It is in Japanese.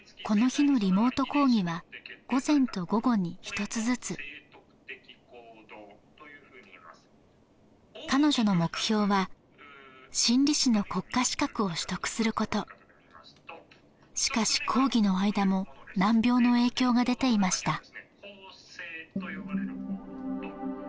この日のリモート講義は午前と午後に一つずつ彼女の目標は心理士の国家資格を取得することしかし講義の間も難病の影響が出ていました